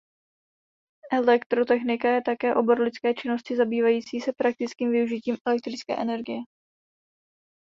Elektrotechnika je také obor lidské činnosti zabývající se praktickým využitím elektrické energie.